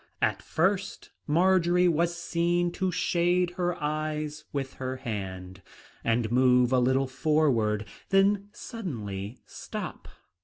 At first Marjory was seen to shade her eyes with her hand, and move a little forward, then suddenly stop.